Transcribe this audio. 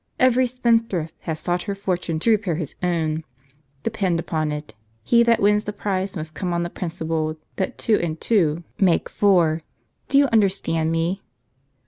Every spendthrift has sought her fortune to repair his own ; depend upon it, he that wins the prize must come on the principle that two and two make fom". Do you understand me